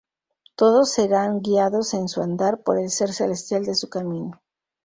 Todos serán guiados en su andar por el Ser Celestial de su camino.